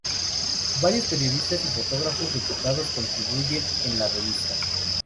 Varios periodistas y fotógrafos reputados contribuyen en la revista.